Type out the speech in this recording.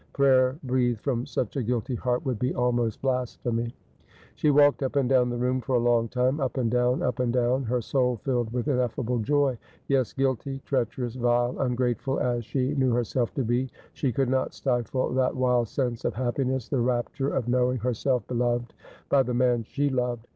Prayer breathed from such a guilty heart would be almost blasphemy. She walked up and down the room for a long time, up and down, up and down, her soul filled with ineffable joy. Yes ; guilty, treacherous, vile, ungrateful as she knew herself to be, she could not stifle that wild sense of happiness, the rapture of knowing herself beloved by the man she loved.